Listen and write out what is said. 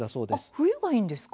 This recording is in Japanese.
冬がいいんですか。